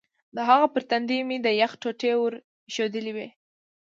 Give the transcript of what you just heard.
د هغه پر تندي مې د یخ ټوټې ور ایښودلې وې.